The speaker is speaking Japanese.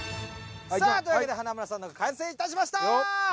さあというわけで華丸さんのが完成いたしました。